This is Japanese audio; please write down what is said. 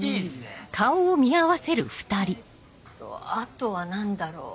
あとは何だろう？